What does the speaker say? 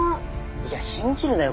いや信じるなよ